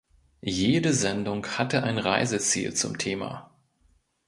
Jede Sendung hatte ein Reiseziel zum Thema.